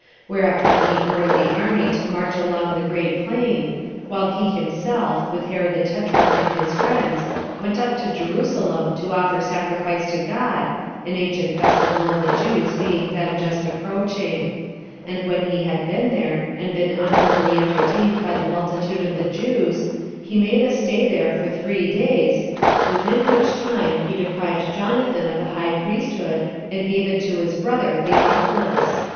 Whereupon he ordered the army to march along the great plain, while he himself, with Herod the tetrarch and his friends, went up to Jerusalem to offer sacrifice to God, an ancient festival of the Jews being then just approaching; and when he had been there, and been honorably entertained by the multitude of the Jews, he made a stay there for three days, within which time he deprived Jonathan of the high priesthood, and gave it to his brother Theophilus.